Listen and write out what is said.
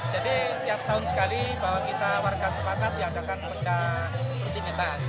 jadi tiap tahun sekali bahwa kita warga sepakat ya akan bedah intimitas